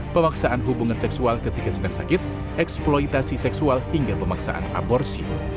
pemaksaan hubungan seksual ketika sedang sakit eksploitasi seksual hingga pemaksaan aborsi